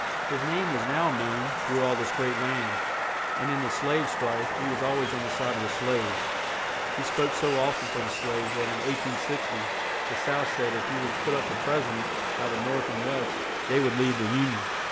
His name was now known through all this great land; and in the slave strife he was al ways on the side of the slaves. He spoke so oft en for the slaves that in 1860, the South said if he was put up for pres i dent, by the North and West, they would leave the Union.